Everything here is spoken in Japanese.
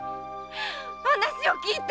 話を聞いて！